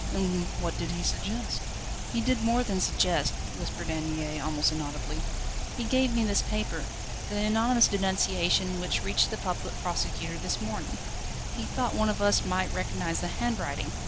And what did he suggest?" "He did more than suggest," whispered Anne Mie almost inaudibly; "he gave me this paper the anonymous denunciation which reached the Public Prosecutor this morning he thought one of us might recognise the handwriting."